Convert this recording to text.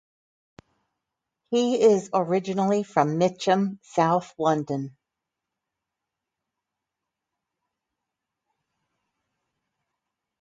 He is originally from Mitcham, South London.